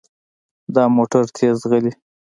دا موټر تیز ځغلي.